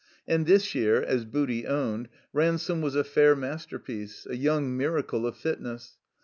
And this year, as Booty owned, Ransome was a fair masterpiece," a yotmg miracle of fitness.